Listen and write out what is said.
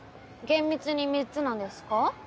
厳密に３つなんですか？